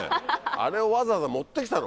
あれをわざわざ持って来たの？